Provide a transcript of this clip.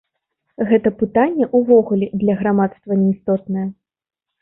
Гэта пытанне, увогуле, для грамадства не істотнае.